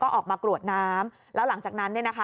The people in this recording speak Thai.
ออกมากรวดน้ำแล้วหลังจากนั้นเนี่ยนะคะ